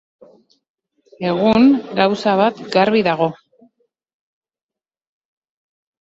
Egun, gauza bat garbi dago.